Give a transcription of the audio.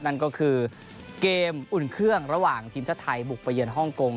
นั่นก็คือเกมอุ่นเครื่องระหว่างทีมชาติไทยบุกไปเยือนฮ่องกง